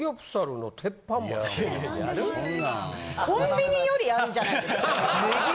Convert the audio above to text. コンビニよりあるじゃないですか。